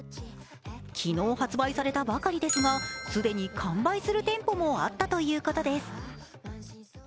昨日発売されたばかりですが既に完売する店舗もあったということです。